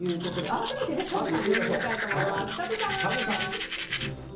改めてカズさんを呼んでみたいと思います。